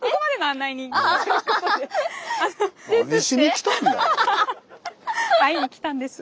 会いに来たんです。